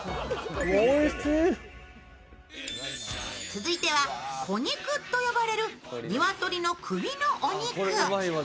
続いては、小肉と呼ばれる鶏の首のお肉。